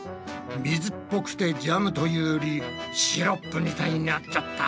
水っぽくてジャムというよりシロップみたいになっちゃった。